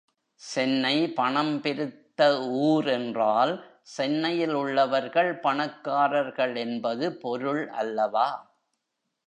சென்னை பணம் பெருத்த ஊர் என்றால் சென்னையில் உள்ளவர்கள் பணக்காரர்கள் என்பது பொருள் அல்லவா?